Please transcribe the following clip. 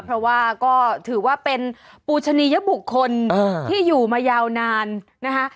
เพราะว่าก็ถือว่าเป็นปูชนียบุคคลที่อยู่มายาวนานนะคะ